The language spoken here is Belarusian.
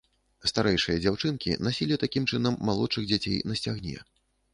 Старэйшыя дзяўчынкі насілі такім чынам малодшых дзяцей на сцягне.